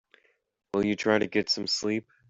Will you try to get some sleep?